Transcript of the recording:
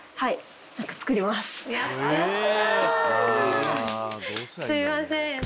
すいません。